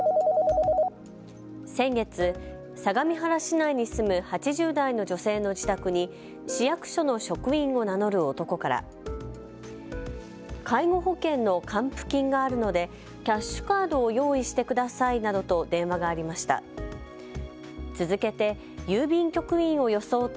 先月、相模原市内に住む８０代の女性の自宅に市役所の職員を名乗る男から介護保険の還付金があるのでキャッシュカードを用意してくださいなどと電話がありました。